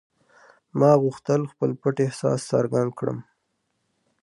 ما غوښتل خپل پټ احساس څرګند کړم